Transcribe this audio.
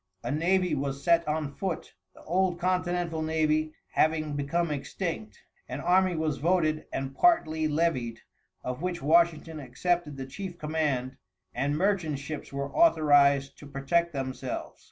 A navy was set on foot, the old continental navy having become extinct. An army was voted and partly levied, of which Washington accepted the chief command, and merchant ships were authorized to protect themselves.